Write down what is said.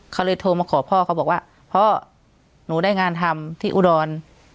เขาเลยโทรมาขอพ่อเขาบอกว่าพ่อหนูได้งานทำที่อุดร